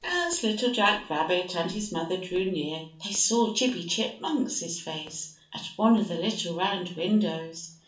As Little Jack Rabbit and his mother drew near they saw Chippy Chipmunk's face at one of the little round windows.